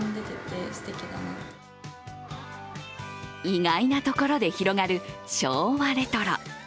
意外なところで広がる昭和レトロ。